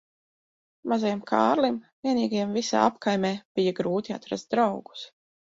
Mazajam Kārlim vienīgajam visā apkaimē bija grūti atrast draugus.